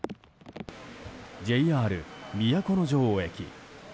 ＪＲ都城駅。